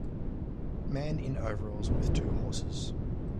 Man in overalls with two horses.